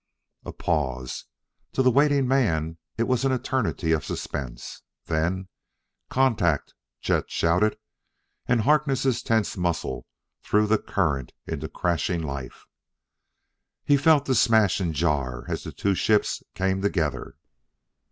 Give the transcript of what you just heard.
A pause. To the waiting man it was an eternity of suspense. Then, "Contact!" Chet shouted, and Harkness' tense muscles threw the current into crashing life. He felt the smash and jar as the two ships came together.